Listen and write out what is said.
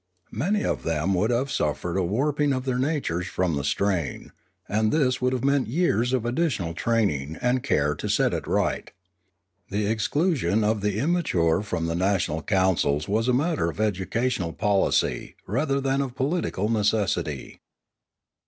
Many of them would have suf fered a warping of their natures from the strain, and this would have meant years of additional training and care to set it right. The exclusion of the imma ture from the national councils was a matter of educa tional policy rather than of political necessity.